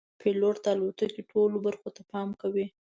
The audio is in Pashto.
پیلوټ د الوتکې ټولو برخو ته پام کوي.